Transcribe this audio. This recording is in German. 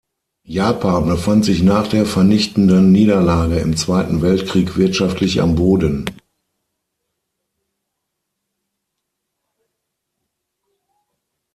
Japan befand sich nach der vernichtenden Niederlage im Zweiten Weltkrieg wirtschaftlich am Boden.